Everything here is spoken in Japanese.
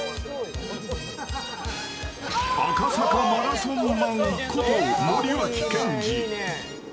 赤坂マラソンマンこと森脇健児。